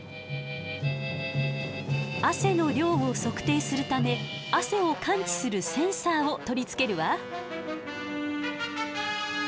汗の量を測定するため汗を感知するセンサーを取り付けるわ。